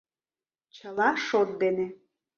чыла шот дене.